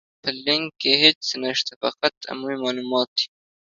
په لينک کې هيڅ نشته، فقط عمومي مالومات دي.